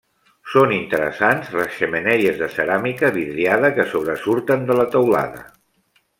Són interessants les xemeneies de ceràmica vidriada que sobresurten de la teulada.